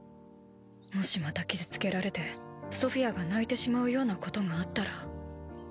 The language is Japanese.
もしまた傷つけられてソフィアが泣いてしまうようなことがあったら。